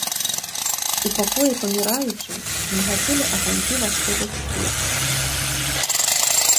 У пакоі паміраючай мігацелі аганькі васковых свечак.